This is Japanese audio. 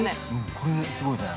◆これ、すごいね。